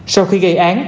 sau khi gây án